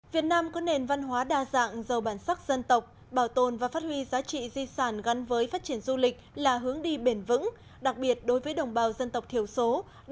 việt nam có nền văn hóa đa dạng giàu bản sắc dân tộc bảo tồn và phát huy giá trị di sản gắn với phát triển du lịch là hướng đi bền vững đặc biệt đối với đồng bào dân tộc thiểu số